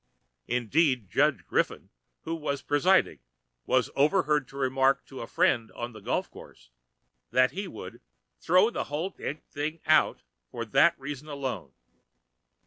Indeed, Judge Griffin, who was presiding, was overheard to remark to a friend on the golf course that he "would throw the whole d n thing out" for that reason alone.